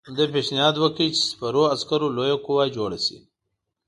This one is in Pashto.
ده پېشنهاد وکړ چې سپرو عسکرو لویه قوه جوړه شي.